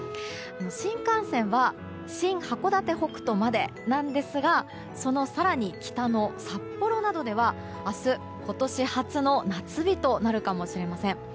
新幹線は新函館北斗までなんですがその更に北の札幌などでは明日、今年初の夏日となるかもしれません。